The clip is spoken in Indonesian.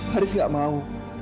haris tidak mau